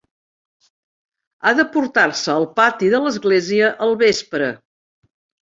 Ha de portar-se al pati de l'església al vespre.